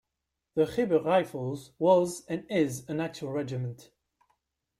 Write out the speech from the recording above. The Khyber Rifles was and is an actual regiment.